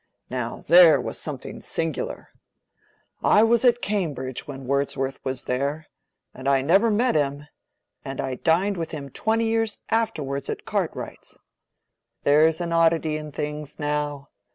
Now there was something singular. I was at Cambridge when Wordsworth was there, and I never met him—and I dined with him twenty years afterwards at Cartwright's. There's an oddity in things, now.